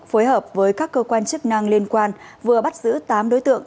phối hợp với các cơ quan chức năng liên quan vừa bắt giữ tám đối tượng